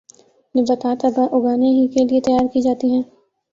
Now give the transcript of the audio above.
نباتات اگانے ہی کیلئے تیار کی جاتی ہیں